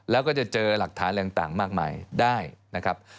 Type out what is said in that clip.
แล้วก็จะเจอหลักฐานอะไรต่างมากมายได้นะครับ